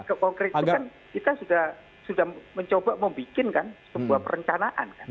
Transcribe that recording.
ya ya memang langkah langkah konkret itu kan kita sudah mencoba membuatkan sebuah perencanaan